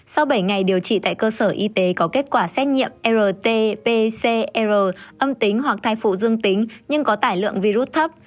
sau bảy ngày điều trị tại cơ sở y tế có kết quả xét nghiệm rt pcr âm tính hoặc thai phụ dương tính nhưng có tải lượng virus thấp